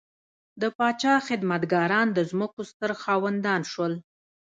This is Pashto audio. د پاچا خدمتګاران د ځمکو ستر خاوندان شول.